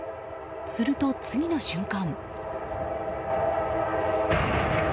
すると次の瞬間。